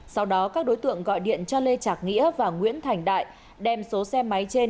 sau đó các đối tượng gọi điện cho lê trạc nghĩa và nguyễn thành đại đem số xe máy trên